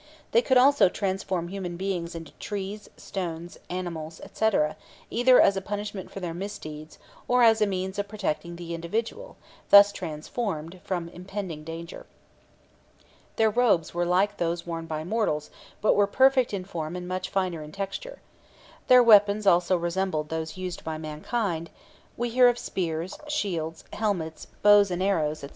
They could also transform human beings into trees, stones, animals, &c., either as a punishment for their misdeeds, or as a means of protecting the individual, thus transformed, from impending danger. Their robes were like those worn by mortals, but were perfect in form and much finer in texture. Their weapons also resembled those used by mankind; we hear of spears, shields, helmets, bows and arrows, &c.